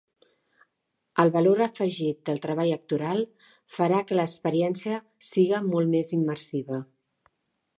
El valor afegit del treball actoral farà que l’experiència siga molt més immersiva.